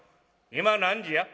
「今何時や？」。